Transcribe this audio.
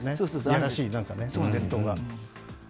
嫌らしい伝統が。